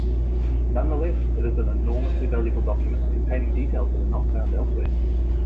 Nonetheless, it is an enormously valuable document, containing details that are not found elsewhere.